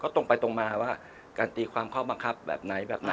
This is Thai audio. ตรงไปตรงมาการตีความความบังกับแบบไหน